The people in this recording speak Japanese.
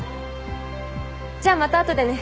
じゃあまた後でね。